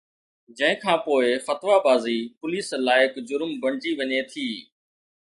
جنهن کان پوءِ فتويٰ بازي پوليس لائق جرم بڻجي وڃي ٿي